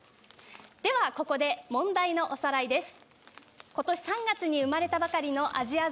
ではここで問題のおさらいです。